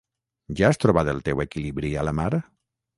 Ja has trobat el teu equilibri a la mar?